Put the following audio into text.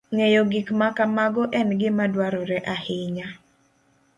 Ng'eyo gik ma kamago en gima dwarore ahinya.